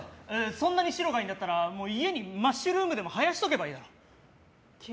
そんなに白がいいんだったら家にマッシュルームでも生やしとけばいいだろ！